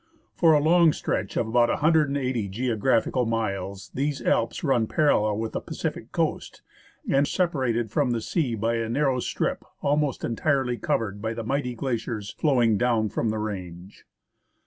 For a long stretch of about 1 80 geographical miles these alps run parallel with the Pacific coast, and separated from the sea by a narrow strip almost entirely covered by the mighty glaciers flowing down from the range.